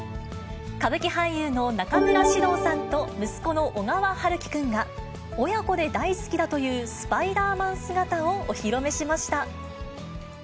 歌舞伎俳優の中村獅童さんと、息子の小川陽喜くんが、親子で大好きだというスパイダーマン姿をお披露目しました。